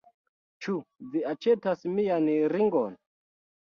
Ĉu vi aĉetas mian ringon?